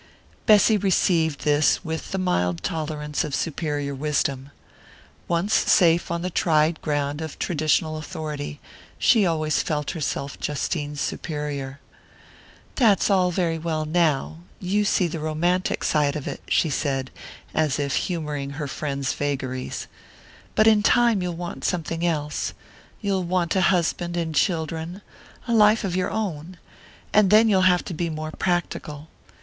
Bessy received this with the mild tolerance of superior wisdom. Once safe on the tried ground of traditional authority, she always felt herself Justine's superior. "That's all very well now you see the romantic side of it," she said, as if humouring her friend's vagaries. "But in time you'll want something else; you'll want a husband and children a life of your own. And then you'll have to be more practical.